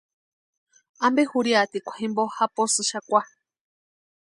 ¿Ampe jurhiatikwa jimpo japosïnki xakwa?